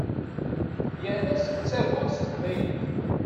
Yal ass tettarguḍ s teqbaylit.